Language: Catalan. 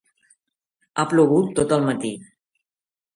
Ha plogut tot el matí.